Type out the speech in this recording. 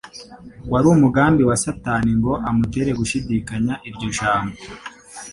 Wari umugambi wa Satani ngo amutere gushidikanya iryo jambo.